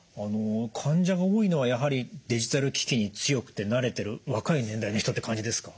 患者が多いのはやはりデジタル機器に強くて慣れてる若い年代の人って感じですか？